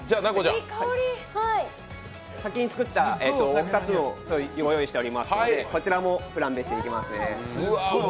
先に作ったお二つをご用意しておりますのでこちらもフランベしていきますね。